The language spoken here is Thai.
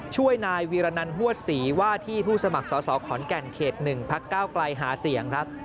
ช่วยนายวีรนันฮวดศรีว่าที่ผู้สมัครสอสอขอนแก่นเขต๑พักก้าวไกลหาเสียงครับ